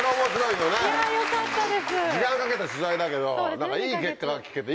時間かけた取材だけど何かいい結果が聞けていいね。